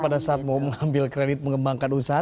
pada saat mau mengambil kredit mengembangkan usaha